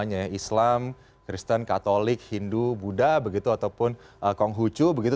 hanya islam kristen katolik hindu buddha begitu ataupun konghucu begitu